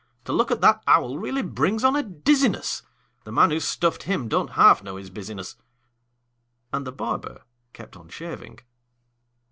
To look at that owl really brings on a dizziness; The man who stuffed him don't half know his business!" And the barber kept on shaving.